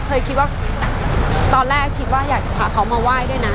เคยคิดว่าตอนแรกคิดว่าอยากจะพาเขามาไหว้ด้วยนะ